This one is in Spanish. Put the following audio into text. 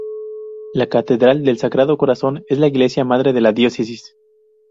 La Catedral del Sagrado Corazón es la iglesia madre de la diócesis.